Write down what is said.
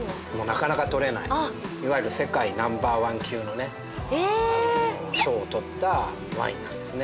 なかなかとれないいわゆる世界Ｎｏ．１級のね賞をとったワインなんですね